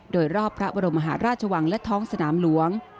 โดยรอบพระบรมมหาราชวังและท้องสนามหลวง